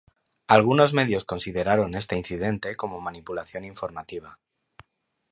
Algunos medios consideraron este incidente como manipulación informativa.